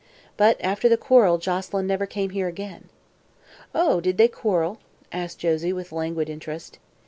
But after the quarrel Joselyn never came here again." "Oh, did they quarrel?" asked Josie, with languid interest.